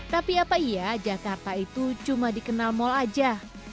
tapi apa iya jakarta itu cuma dikenal mal aja